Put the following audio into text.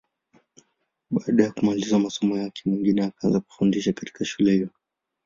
Baada ya kumaliza masomo yake, Mwingine akaanza kufundisha katika shule hiyo.